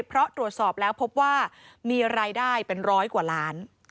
เพราะตรวจสอบแล้วพบว่ามีรายได้เป็นร้อยกว่าล้าน